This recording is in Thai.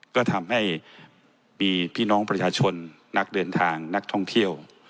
ก็ทำให้มีพี่น้องประชาชนนักเดินทางนักท่องเที่ยว